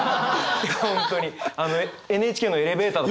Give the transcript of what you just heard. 本当にＮＨＫのエレベーターの。